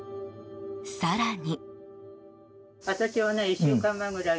更に。